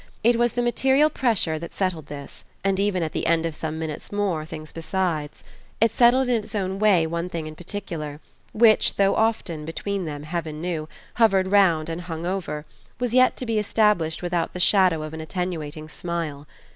It was the material pressure that settled this and even at the end of some minutes more things besides. It settled in its own way one thing in particular, which, though often, between them, heaven knew, hovered round and hung over, was yet to be established without the shadow of an attenuating smile.